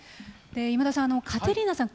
今田さん、カテリーナさん